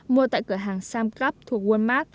mua tại cửa hàng samgrap thuộc walmart